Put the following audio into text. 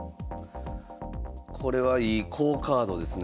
これはいい好カードですね。